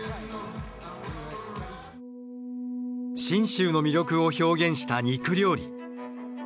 信州の魅力を表現した肉料理。